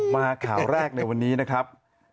มาข่าวแรกในวันนี้นะครับ